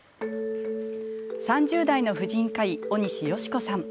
３０代の婦人科医、尾西芳子さん。